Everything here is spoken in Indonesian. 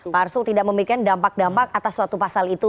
memikirkan dampak dampak atas suatu pasal itu